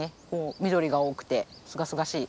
緑が多くてすがすがしい。